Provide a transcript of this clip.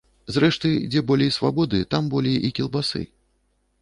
Зрэшты, дзе болей свабоды, там болей і кілбасы.